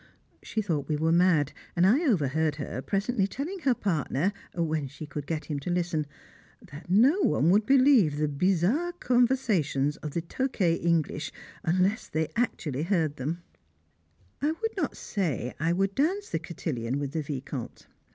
She thought we were mad; and I overheard her presently telling her partner when she could get him to listen that no one would believe the bizarre conversations of the toqués English unless they actually heard them! [Sidenote: The Cotillon] I would not say I would dance the cotillon with the Vicomte.